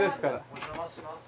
お邪魔します。